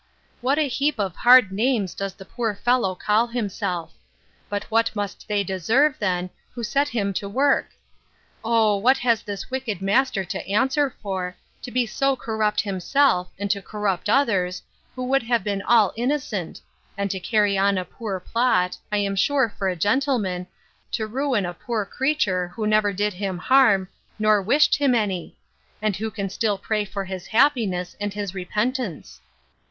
What a heap of hard names does the poor fellow call himself! But what must they deserve, then, who set him to work? O what has this wicked master to answer for, to be so corrupt himself, and to corrupt others, who would have been all innocent; and to carry on a poor plot, I am sure for a gentleman, to ruin a poor creature, who never did him harm, nor wished him any; and who can still pray for his happiness, and his repentance?